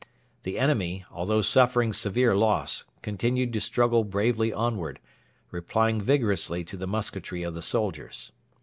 The enemy, although suffering severe loss, continued to struggle bravely onward, replying vigorously to the musketry of the soldiers.